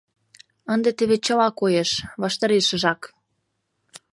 Ынде теве чыла коеш, ваштарешыжак.